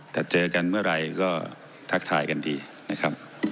แต่เจอกันเมื่อไหร่ก็ทักทายกันดีนะครับ